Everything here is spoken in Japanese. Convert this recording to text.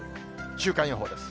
週間予報です。